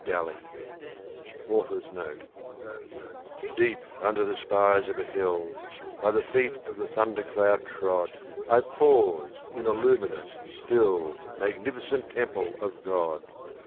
B. Dalley (Author's note). Deep under the spires of a hill, by the feet of the thunder cloud trod, I pause in a luminous, still, magnificent temple of God!